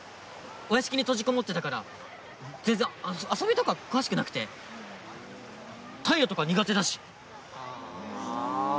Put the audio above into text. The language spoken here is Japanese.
お屋敷に閉じこもってたから全然遊びとか詳しくなくて太陽とか苦手だしあぁ